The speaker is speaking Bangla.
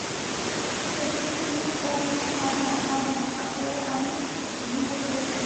সেদিন, তিনি অগ্নিশিখা না মানুষ সে আমি ভুলে গিয়েছিলুম।